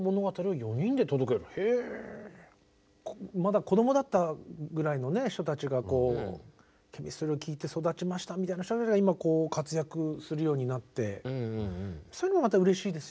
まだ子どもだったぐらいの人たちがＣＨＥＭＩＳＴＲＹを聴いて育ちましたみたいな人たちが今活躍するようになってそういうのがうれしいですよね。